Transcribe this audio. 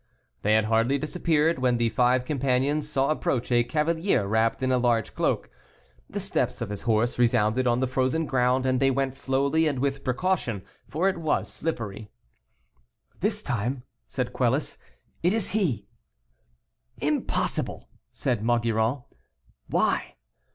They had hardly disappeared, when the five companions saw approach a cavalier wrapped in a large cloak. The steps of his horse resounded on the frozen ground, and they went slowly and with precaution, for it was slippery. "This time," said Quelus, "it is he." "Impossible," said Maugiron. "Why?"